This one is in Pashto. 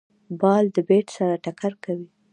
بال د بېټ سره ټکر کوي.